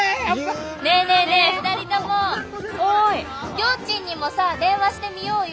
りょーちんにもさ電話してみようよ。